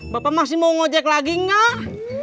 bapak masih mau ngojek lagi gak